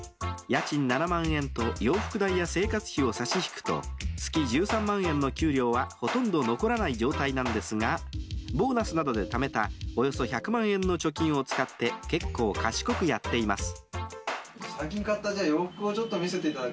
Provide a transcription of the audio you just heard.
家賃７万円と洋服代や生活費を差し引くと月１３万円の給料はほとんど残らない状態なんですがボーナスなどでためたおよそ１００万円の貯金を使って結構賢くやっています。